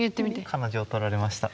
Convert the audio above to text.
彼女を取られました。